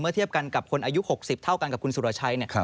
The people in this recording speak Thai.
เทียบกันกับคนอายุ๖๐เท่ากันกับคุณสุรชัย